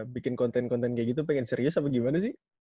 bikin konten konten kayak gitu pengen serius apa gimana sih